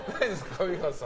上川さん。